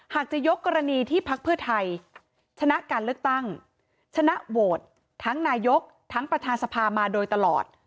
จะยกกรณีที่พักเพื่อไทยชนะการเลือกตั้งชนะโหวตทั้งนายกทั้งประธานสภามาโดยตลอด